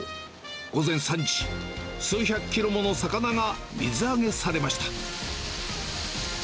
午前３時、数百キロもの魚が水揚げされました。